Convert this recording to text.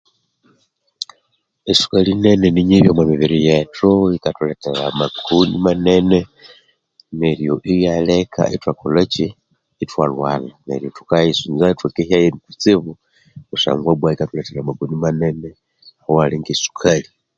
Esukalinene ninyibi omwamibiri yethu yikathulethera amakoni manene neryo iyaleka ithwalwala neryo thukayisunza ithwakehyayo kutsibu kusangwa ibwa yikathulethera amakoni manene awali ngesukali.